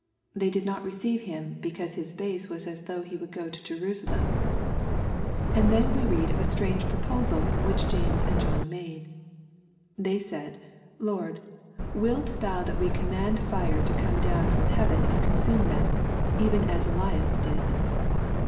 ^* They did not receive him, because his face was as though he would go to Jerusalem." And then we read of a strange proposal which James and John made. " They said, Lord, wilt thou that we command fire to come down from heaven and consume them, even as Elias did